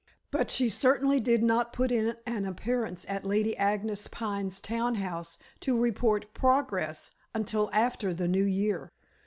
But she certainly did not put in an appearance at Lady Agnes Pine's town house to report progress until after the new year.